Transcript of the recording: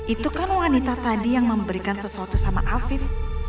itu kan wanita tadi yang memberikan sesuatu sama afif